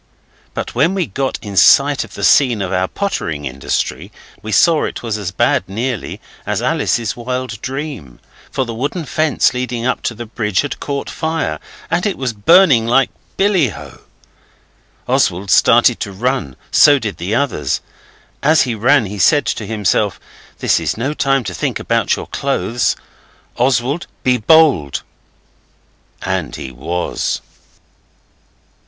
But when we got in sight of the scene of our pottering industry we saw it was as bad nearly as Alice's wild dream. For the wooden fence leading up to the bridge had caught fire, and it was burning like billy oh. Oswald started to run; so did the others. As he ran he said to himself, 'This is no time to think about your clothes. Oswald, be bold!' And he was.